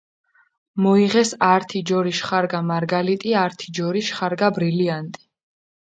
მოიღეს ართი ჯორიშ ხარგა მარგალიტი, ართი ჯორიშ ხარგა ბრილიანტი.